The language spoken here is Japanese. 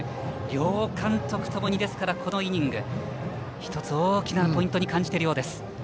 両監督ともに、このイニング１つ大きなポイントに感じているようです。